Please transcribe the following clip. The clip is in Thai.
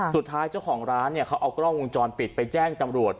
สุดท้ายเจ้าของร้านเนี่ยเขาเอากล้องวงจรปิดไปแจ้งตำรวจ